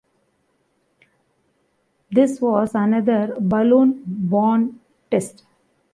This was another balloon-borne test.